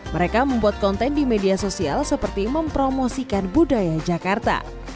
mereka membuat konten di media sosial seperti mempromosikan budaya jakarta